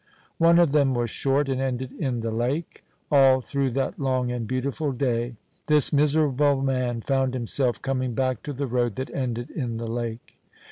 One of them was short and ended in the lake. All through that long and beautiful day this miserable man found himself coming back to the road that ended in the lake.